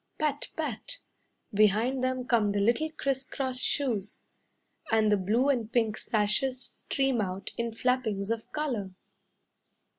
Pat! Pat! behind them come the little criss cross shoes, And the blue and pink sashes stream out in flappings of colour.